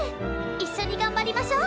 一緒に頑張りましょう。